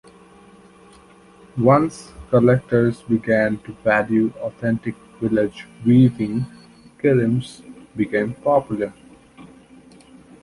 Once collectors began to value authentic village weaving, kilims became popular.